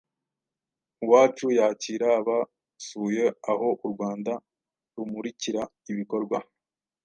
Uwacu yakira abasuye aho u Rwanda rumurikira ibikorwa